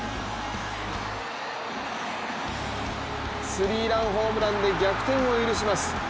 スリーランホームランで逆転を許します。